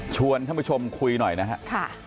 ชวนท่านผู้ชมคุยหน่อยนะครับ